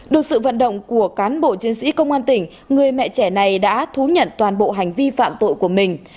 được sự vận động của cán bộ chiến sĩ công an tỉnh người mẹ trẻ này đã thú nhận toàn bộ hành vi phạm tội của mình